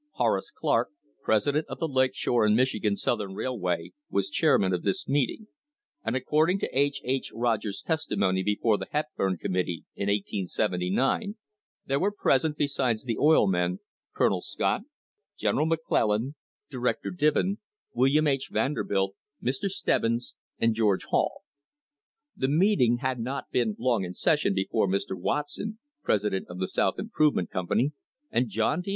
Horace Clark, president of the Lake Shore and Michigan Southern Rail road, was chairman of this meeting, and, according to H. H. Rogers' testimony before the Hepburn Committee, in 1879, there were present, besides the oil men, Colonel Scott, General McClellan, Director Diven, William H. Vanderbilt, Mr. Stebbins, and George Hall. The meeting had not been long in session before Mr. Watson, president of the South Improve ment Company, and John D.